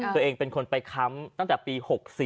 ตัวเองเป็นคนไปค้ำตั้งแต่ปี๖๔